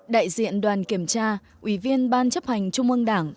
đại diện đoàn kiểm tra ủy viên ban chấp hành trung ương đảng